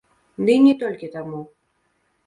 Дый не толькі таму!